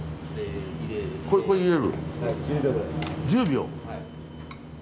１０秒。